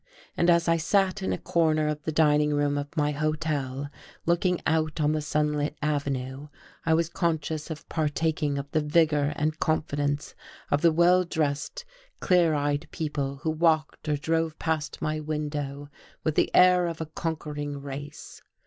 And as I sat in a corner of the dining room of my hotel looking out on the sunlit avenue I was conscious of partaking of the vigour and confidence of the well dressed, clear eyed people who walked or drove past my window with the air of a conquering race.